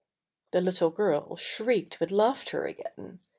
The little girl shrieked with laughter again.